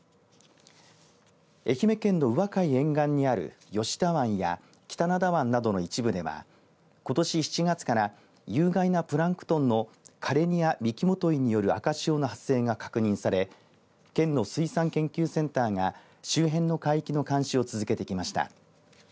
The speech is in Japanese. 愛媛県の宇和海沿岸にある吉田湾や北灘湾などの一部ではことし７月から有害なプランクトンのカレニア・ミキモトイによる赤潮の発生が確認され県の水産研究センターが周辺の海域の監視を続けてきました。